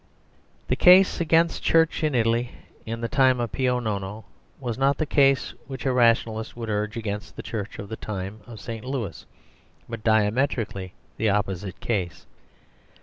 The case against the Church in Italy in the time of Pio Nono was not the case which a rationalist would urge against the Church of the time of St. Louis, but diametrically the opposite case.